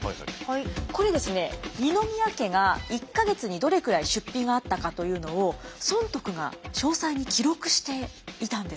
これですね二宮家が１か月にどれくらい出費があったかというのを尊徳が詳細に記録していたんです。